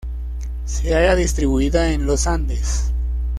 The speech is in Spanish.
Se halla distribuida en los Andes.